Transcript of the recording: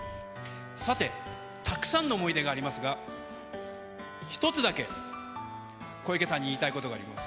さて、たくさんの想い出がありますが、１つだけ小池さんに言いたいことがあります。